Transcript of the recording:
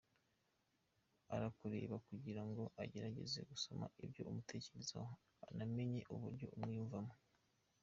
Arakureba kugira ngo agerageza gusoma ibyo umutekerezaho anamenye uburyo umwiyumvamo.